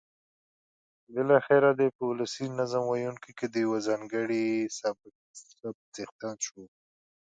بالاخره دی په ولسي نظم ویونکیو کې د یوه ځانګړي سبک څښتن شو.